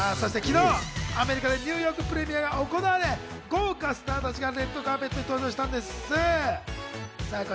そして昨日、アメリカでニューヨークプレミアが行われ、豪華スターたちがレッドカーペットに登場したんです。